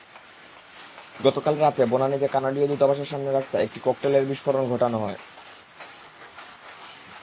গতকাল রাতে বনানীতে কানাডীয় দূতাবাসের সামনের রাস্তায় একটি ককটেলের বিস্ফোরণ ঘটানো হয়।